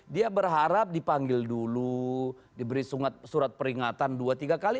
dia berharap dipanggil dulu diberi surat peringatan dua tiga kali